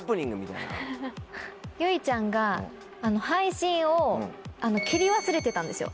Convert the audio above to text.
有以ちゃんが配信を切り忘れてたんですよ。